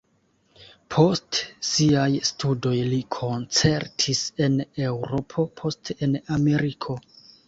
Post siaj studoj li koncertis en Eŭropo, poste en Ameriko.